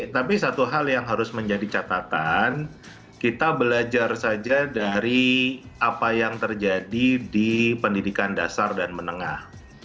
tapi satu hal yang harus menjadi catatan kita belajar saja dari apa yang terjadi di pendidikan dasar dan menengah